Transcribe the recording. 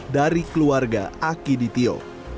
dari keluarga aki ditio